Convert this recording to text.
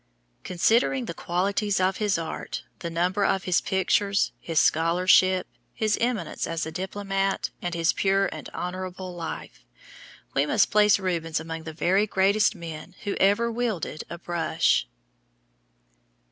Considering the qualities of his art, the number of his pictures, his scholarship, his eminence as a diplomat and his pure and honorable life, we must place Rubens among the very greatest men who ever wielded a brush.